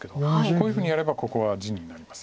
こういうふうにやればここは地になります。